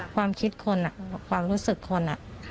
ความคิดคนความรู้สึกคน